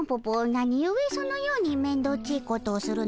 なにゆえそのようにめんどっちいことをするのじゃ？